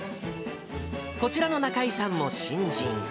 こちらの仲居さんも新人。